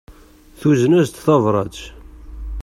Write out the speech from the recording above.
Tuzen-as-d tabrat.